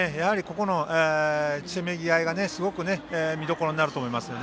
そのせめぎ合いがすごく見どころになると思います。